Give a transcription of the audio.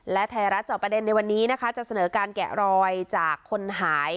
และไทยรัฐจอบประเด็นในวันนี้นะคะจะเสนอการแกะรอยจากคนหาย